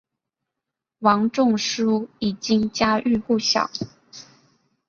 王仲殊已经家喻户晓。